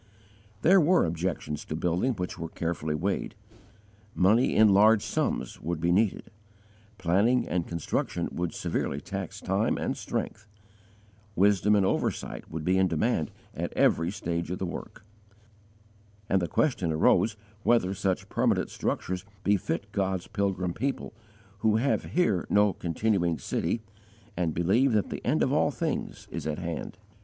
There were objections to building which were carefully weighed: money in large sums would be needed; planning and constructing would severely tax time and strength; wisdom and oversight would be in demand at every stage of the work; and the question arose whether such permanent structures befit God's pilgrim people, who have here no continuing city and believe that the end of all things is at hand.